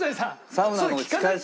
サウナの仕返し。